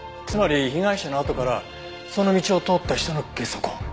つまり被害者のあとからその道を通った人のゲソ痕。